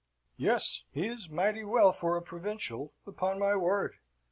"Yes, he is mighty well for a provincial, upon my word.